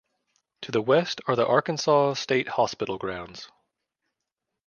To the west are the Arkansas State Hospital grounds.